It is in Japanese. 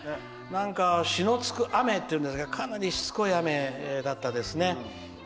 なんか、篠つく雨っていうんですかかなりしつこい雨だったですね。